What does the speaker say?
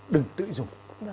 đừng tự dùng